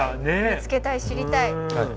見つけたい知りたい。